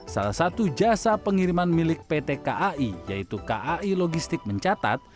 salah satu jasa pengiriman milik pt kai yaitu kai logistik mencatat